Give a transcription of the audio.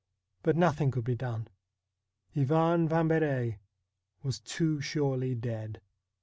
But no thing could be done. Ivan Vambery was too surely dead.